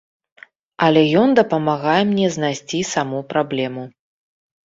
Але ён дапамагае мне знайсці саму праблему.